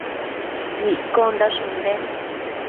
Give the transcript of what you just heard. Iccondash ënden